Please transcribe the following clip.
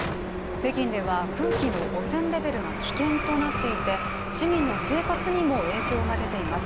北京では空気の汚染レベルが危険となっていて市民の生活にも影響が出ています。